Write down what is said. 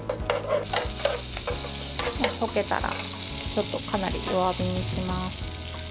溶けたら、かなり弱火にします。